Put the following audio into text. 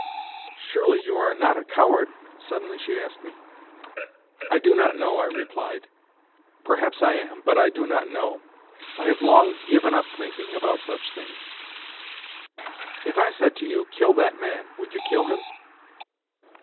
"Surely you are not a coward?" suddenly she asked me. "I do not know," I replied. "Perhaps I am, but I do not know. I have long given up thinking about such things." "If I said to you, 'Kill that man,' would you kill him?"